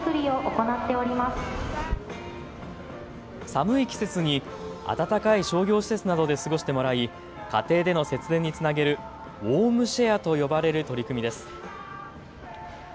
寒い季節に暖かい商業施設などで過ごしてもらい家庭での節電につなげるウォームシェアと呼ばれる取り組みです。